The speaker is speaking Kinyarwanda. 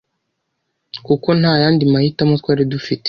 kuko ntayandi mahitamo twari dufite.